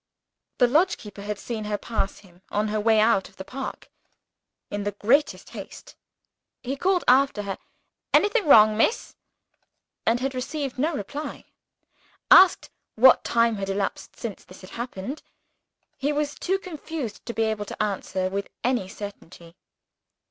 The lodge keeper had seen her pass him, on her way out of the park, in the greatest haste. He had called after her, "Anything wrong, miss?" and had received no reply. Asked what time had elapsed since this had happened, he was too confused to be able to answer with any certainty.